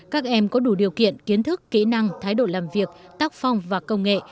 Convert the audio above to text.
các em có đủ điều kiện kiến thức kỹ năng thái độ làm việc tác phong và công nghệ